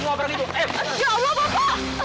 ya allah bapak